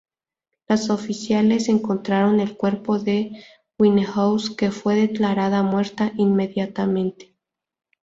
Los oficiales encontraron el cuerpo de Winehouse, que fue declarada muerta inmediatamente.